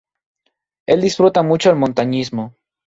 El disfruta mucho el montañismo.